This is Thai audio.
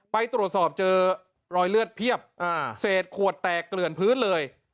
ไปตรวจสอบเจอรอยเลือดเพียบเศษขวดแตกเกลื่อนพื้นเลย